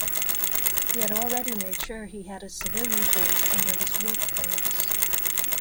He had already made sure he had his civilian clothes under his work clothes.